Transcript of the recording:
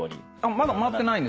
まだ回ってないんですか？